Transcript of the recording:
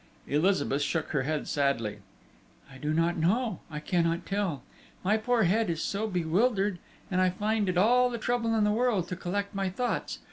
Elizabeth shook her head sadly. "I do not know, I cannot tell! My poor head is so bewildered, and I find it all the trouble in the world to collect my thoughts.